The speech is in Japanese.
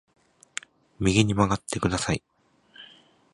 右に曲がってください